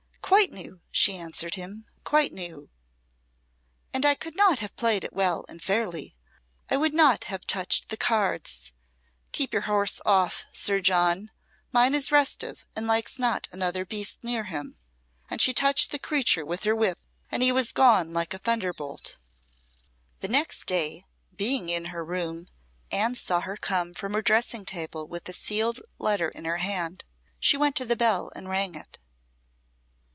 "Quite new," she answered him "quite new. And could I not have played it well and fairly, I would not have touched the cards. Keep your horse off, Sir John. Mine is restive, and likes not another beast near him;" and she touched the creature with her whip, and he was gone like a thunderbolt. The next day, being in her room, Anne saw her come from her dressing table with a sealed letter in her hand. She went to the bell and rang it.